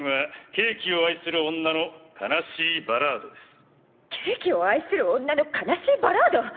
ケーキを愛する女の哀しいバラード？